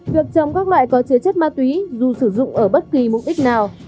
việc trồng các loại có chứa chất ma túy dù sử dụng ở bất kỳ mục đích nào